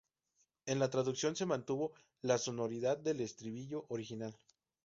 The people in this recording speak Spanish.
En la traducción se mantuvo la sonoridad del estribillo original.